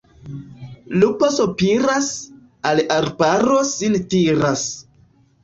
Lupo sopiras, al arbaro sin tiras.